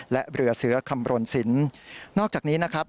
และเรือเสือคำรณสินนอกจากนี้นะครับ